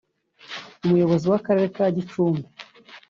Umuyobozi w’Akarere ka Gicumbi